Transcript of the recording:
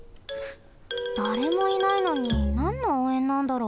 だれもいないのになんのおうえんなんだろ。